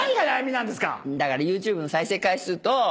だからＹｏｕＴｕｂｅの再生回数と。